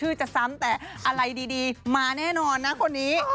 จะซ้ำแต่อะไรดีมาแน่นอนนะคนนี้